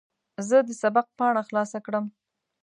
زه د سبق پاڼه خلاصه کړم.